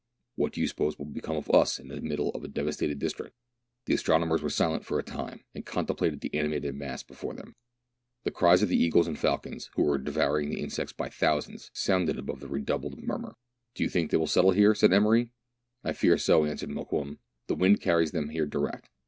What do you suppose will become of us in the middle of a devas tated district?" The astronomers were silent for a time, and contemplated the animated mass before them. The cries of the eagles and falcons, who were devouring the insects by thousands, sounded above the redoubled murmur. M 2 1 64 MERIDIAN a; the ADVENTURES OF " Do you think they will settle here ?" said Emery. " I fear so," answered Mokoum, " the wind carries them here direct.